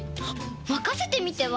まかせてみては？